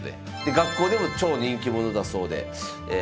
学校でも超人気者だそうで。